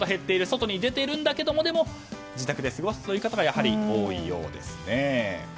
外に出てはいるんだけどもでも自宅で過ごすという方がやはり多いようですね。